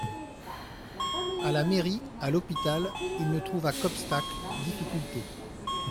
À la mairie, à l'hôpital, il ne trouva qu'obstacles, difficultés.